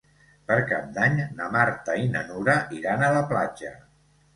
Per Cap d'Any na Marta i na Nura iran a la platja.